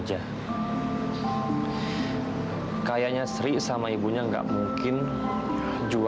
tapi aku percaya kok sama kamu